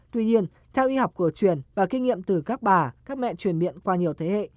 tuy nhiên theo y học cổ truyền và kinh nghiệm từ các bà các mẹ truyền miệng qua nhiều thế hệ